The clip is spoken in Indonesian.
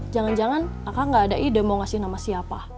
jangan jangan aka gak ada ide mau ngasih nama siapa